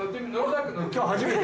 今日初めて。